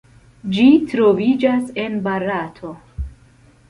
Ĝi troviĝas en Barato.